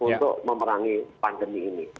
untuk memerangi pandemi ini